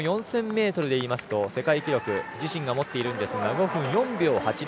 ４０００ｍでいいますと世界記録自身が持っているんですが５分４秒８０。